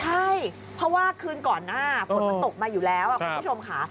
ใช่เพราะว่าคืนก่อนหน้าฝนมันตกมาอยู่แล้วคุณผู้ชมค่ะ